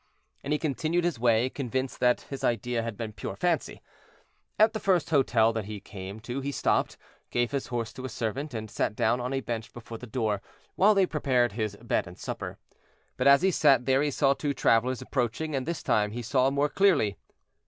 And he continued his way, convinced that his idea had been pure fancy. At the first hotel that he came to he stopped, gave his horse to a servant, and sat down on a bench before the door, while they prepared his bed and supper. But as he sat there he saw two travelers approaching, and this time he saw more clearly.